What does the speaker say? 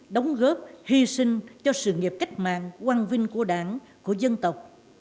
đóng góp hy sinh cho sự nghiệp cách mạng quang vinh của đảng của dân tộc